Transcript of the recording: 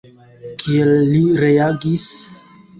Kiel li reagis?